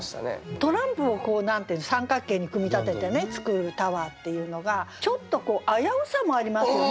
トランプを三角形に組み立てて作るタワーっていうのがちょっとこう危うさもありますよね。